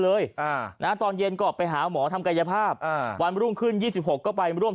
เลยตอนเย็นก็ไปหาหมอทำกายภาพวันรุ่งขึ้น๒๖ก็ไปร่วม